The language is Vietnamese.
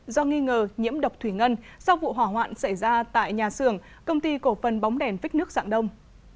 do nghi ngờ nhiễm độc thủy ngân sau vụ hỏa hoạn xảy ra tại nhà xưởng công ty cổ phân bóng đèn vích nước dạng đông